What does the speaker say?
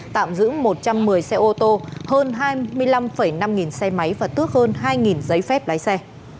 tạm giữ một trăm một mươi xe ô tô hơn hai mươi năm năm nghìn xe máy và tước hơn hai giấy phép lái xe